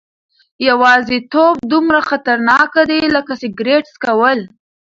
یوازیتوب دومره خطرناک دی لکه سګرټ څکول.